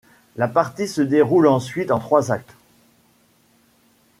La partie se déroule ensuite en trois actes.